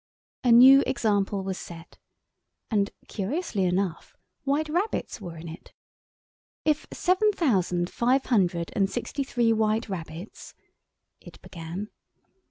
A new example was set. And, curiously enough, white rabbits were in it. "If seven thousand five hundred and sixty three white rabbits," it began.